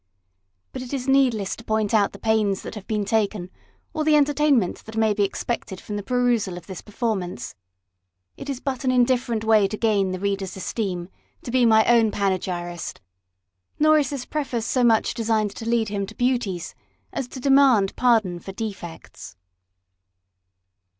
But it is needless to point out the pains that have been taken, or the enter tainment that may be expected from the perusal of this performance. It is but an indifferent way to gain the reader's esteem, to be my own panegyrist ; nor is this preface so much designed to lead him to beauties, as to demand pardon for defects.